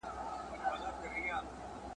یوه سړي خو په یوه ټلیفوني رپوټ کي !.